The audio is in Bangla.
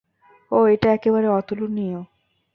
ওহ, এটা একেবারে অতুলনীয়।